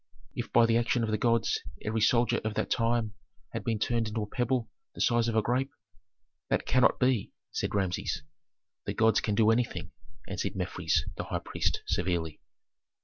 If by the action of the gods every soldier of that time had been turned into a pebble the size of a grape " "That cannot be!" said Rameses. "The gods can do anything," answered Mefres, the high priest, severely.